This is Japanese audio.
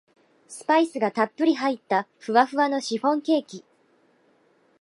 スパイスがたっぷり入ったふわふわのシフォンケーキ